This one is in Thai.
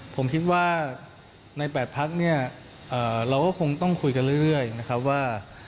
ผมคิดว่าในแปดพักเราก็คงต้องคุยกันเรื่อยว่า